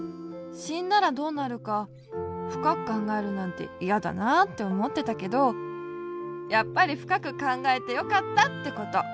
しんだらどうなるかふかくかんがえるなんていやだなっておもってたけどやっぱりふかくかんがえてよかったってこと。